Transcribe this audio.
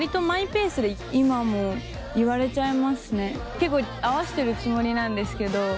結構合わせてるつもりなんですけど。